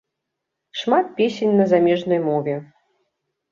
Шмат песень на замежнай мове.